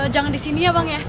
jangan di sini ya bang ya